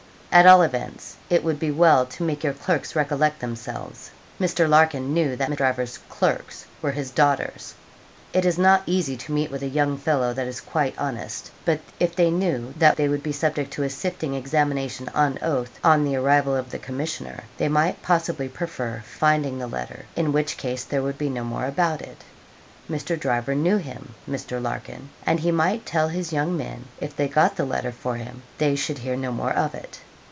At all events, it would be well to make your clerks recollect themselves. (Mr. Larkin knew that Driver's 'clerks' were his daughters.) It is not easy to meet with a young fellow that is quite honest. But if they knew that they would be subjected to a sifting examination on oath, on the arrival of the commissioner, they might possibly prefer finding the letter, in which case there would be no more about it. Mr. Driver knew him (Mr. Larkin), and he might tell his young men if they got the letter for him they should hear no more of it.